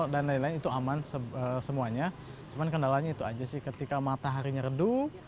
dan lain lain itu aman semuanya cuman kendalanya itu aja sih ketika matahari nyeredu